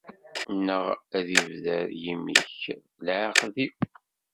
Neɣ ad d-ibder yimi-k leɛqed-iw?